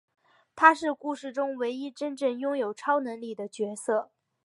他是故事中唯一真正拥有超能力的角色。